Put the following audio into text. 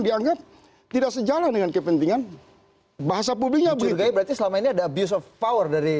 dianggap tidak sejalan dengan kepentingan bahasa publiknya berarti selama ini ada biasa power dari